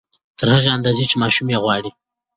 تر هغې اندازې چې ماشوم يې غواړي